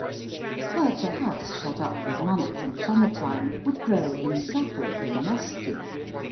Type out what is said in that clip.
But a house shut up for a month in summer time would grow insufferably musty.